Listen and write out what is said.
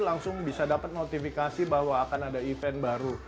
langsung bisa dapat notifikasi bahwa akan ada event baru